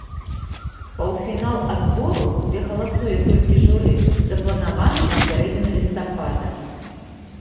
Паўфінал адбору, дзе галасуе толькі журы, запланаваны на сярэдзіну лістапада.